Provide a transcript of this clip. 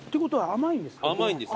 甘いんです。